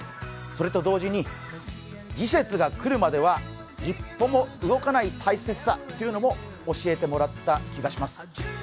同時に、時節が来るまでは一歩も動かない大切さも教えてもらった気がします。